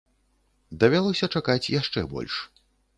Давялося чакаць яшчэ больш.